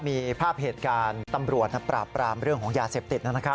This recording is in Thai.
มีภาพเหตุการณ์ตำรวจปราบปรามเรื่องของยาเสพติด